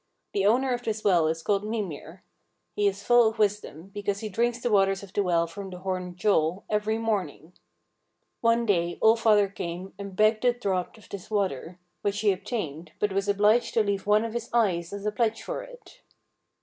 The owner of this well is called Mimir. He is full of wisdom, because he drinks the waters of the well from the horn Gjoll every morning. One day All father came and begged a draught of this water, which he obtained, but was obliged to leave one of his eyes as a pledge for it.